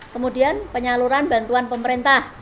kemudian penyaluran bantuan pemerintah